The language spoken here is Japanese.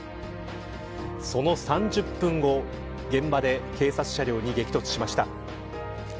その３０分後現場で警察車両に激突しました。